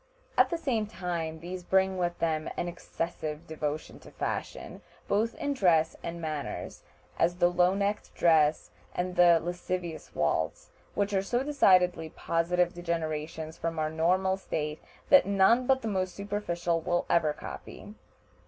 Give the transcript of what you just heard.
At the same time these bring with them an excessive devotion to fashion, both in dress and manners, as the low necked dress and the lascivious waltz, which are so decidedly positive degenerations from our normal state that none but the most superficial will ever copy.